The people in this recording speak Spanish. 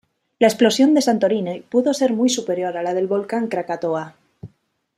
La explosión de Santorini pudo ser muy superior a la del volcán Krakatoa.